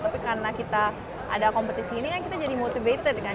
tapi karena kita ada kompetisi ini kan kita jadi motivated kan